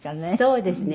そうですね。